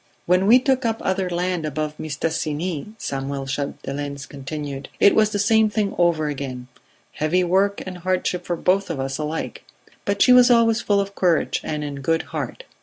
"When we took up other land above Mistassini," Samuel Chapdelaine continued, "it was the same thing over again; heavy work and hardship for both of us alike; but she was always full of courage and in good heart